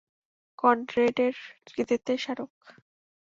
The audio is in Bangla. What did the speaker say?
কনরেডের কৃতিত্বের স্মারক।